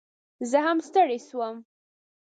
زه هم ستړي شوم